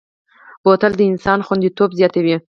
بوتل د انسان خوندیتوب زیاتوي.